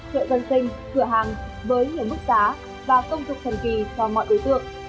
chợ dân sinh cửa hàng với nhiều mức giá và công dụng thần kỳ cho mọi đối tượng